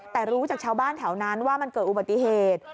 แต่รู้จากชาวบ้านแถวนั้นว่ามันเกิดอุบัติเหตุ